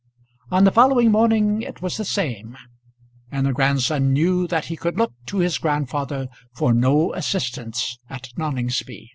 On the following morning it was the same, and the grandson knew that he could look to his grandfather for no assistance at Noningsby.